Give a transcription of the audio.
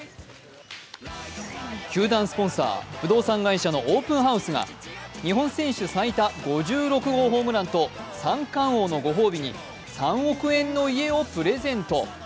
球団スポンサー、不動産会社のオープンハウスが日本選手最多５６号ホームランと三冠王のご褒美に３億円の家をプレゼント。